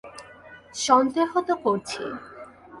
সন্দেহ তো করছি।